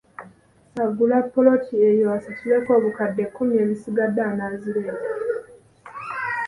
Agula ppoloti eyo asasuleko obukadde kkumi ezisigadde anaazireeta.